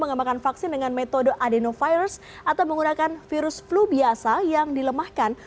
mengembangkan vaksin dengan metode adenovirus atau menggunakan virus flu biasa yang dilemahkan